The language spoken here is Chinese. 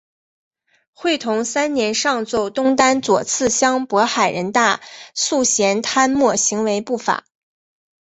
会同三年上奏东丹左次相渤海人大素贤贪墨行为不法。